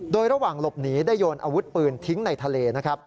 โดยระหว่างหลบหนีได้โยนอาวุธปืนทิ้งในทะเลนะครับ